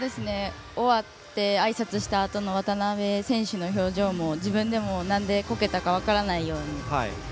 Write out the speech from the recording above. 終わってあいさつしたあとの渡部選手の表情も自分でもなんでこけたか分からないような。